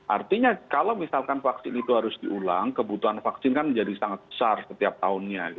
artinya kalau misalkan vaksin itu harus diulang kebutuhan vaksin kan menjadi sangat besar setiap tahunnya